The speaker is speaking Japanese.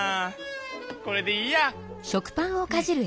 これでいいや。